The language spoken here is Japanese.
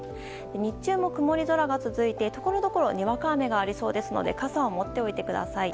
日中も曇り空が続いてところどころにわか雨がありそうですので傘を持っておいてください。